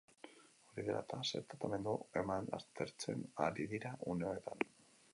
Hori dela eta, zer tratamendu eman aztertzen ari dira une honetan.